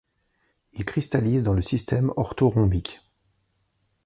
Il cristallise dans le système orthorhombique.